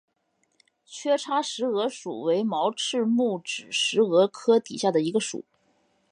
缺叉石蛾属为毛翅目指石蛾科底下的一个属。